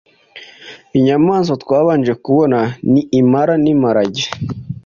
Inyamaswa twabanje kubona ni impara n’imparage.